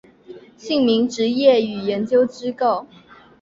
姓名职业与研究机构